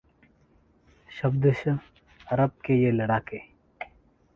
शब्दश: अरब के ये लड़ाके